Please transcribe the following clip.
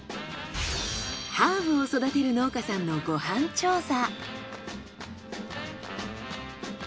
ハーブを育てる農家さんのご飯調査。